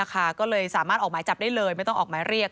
ก็เลยสามารถออกหมายจับได้เลยไม่ต้องออกหมายเรียก